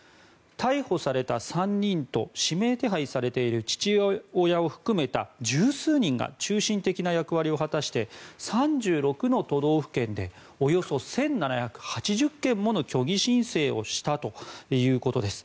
逮捕された３人と指名手配されている父親を含めた１０数人が中心的な役割を果たして３６の都道府県でおよそ１７８０件もの虚偽申請をしたということです。